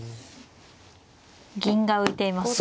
銀が浮いていますね。